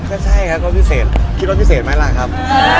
ก็ใช่ครับรสพิเศษคิดว่าพิเศษไหมล่ะครับ